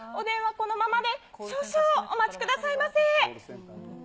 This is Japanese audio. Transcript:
このままで、少々お待ちくださいませ。